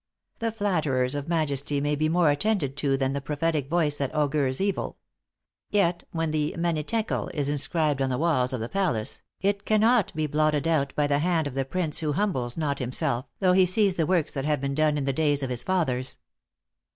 The flatterers of majesty may be more attended to than the prophetic voice that augurs evil; yet when the mene tekel is inscribed on the walls of the palace, it cannot be blotted out by the hand of the prince who humbles not himself, though he sees the works that have been done in the days of his fathers."